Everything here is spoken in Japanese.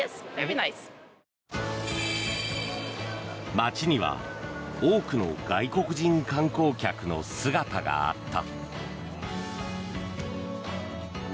街には、多くの外国人観光客の姿があった。